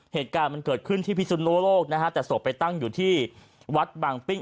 เหตุการณ์มันเกิดขึ้นที่พิสุนโลกนะฮะแต่ศพไปตั้งอยู่ที่วัดบางปิ้ง